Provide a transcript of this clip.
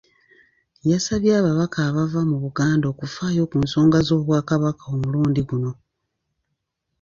Yasabye ababaka abava mu Buganda okufaayo ku nsonga z’Obwakabaka omulundi guno.